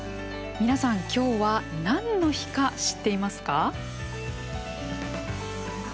皆さん、今日は何の日か知っていますか。